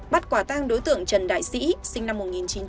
bắt quả tang đối tượng trần đại sĩ sinh năm một nghìn chín trăm tám mươi